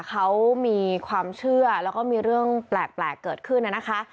เขามีความเชื่อแล้วก็มีเรื่องแปลกเกิดขึ้นนะคะ